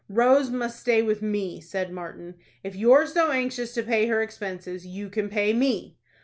"Rose must stay with me," said Martin. "If you're so anxious to pay her expenses, you can pay me."